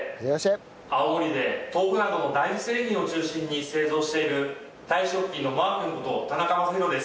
青森で豆腐などの大豆製品を中心に製造している太子食品のマー君こと田中雅浩です。